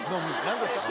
何ですか？